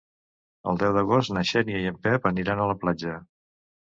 El deu d'agost na Xènia i en Pep aniran a la platja.